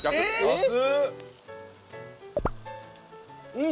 うん！